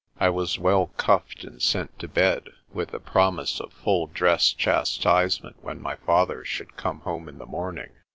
I was well cuffed and sent to bed, with the promise of full dress chastisement when my father should come home in the morning.